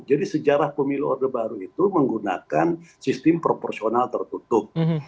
sejarah pemilu orde baru itu menggunakan sistem proporsional tertutup